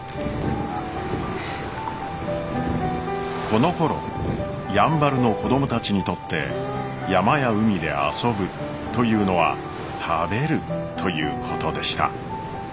このころやんばるの子供たちにとって山や海で「遊ぶ」というのは「食べる」ということでした。